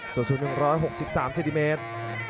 ส่วนศูนย์๑๖๓ซิติเมตร